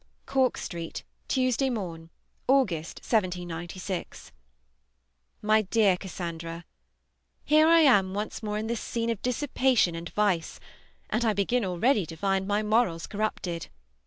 CORK STREET, Tuesday morn (August, 1796). MY DEAR CASSANDRA, Here I am once more in this scene of dissipation and vice, and I begin already to find my morals corrupted.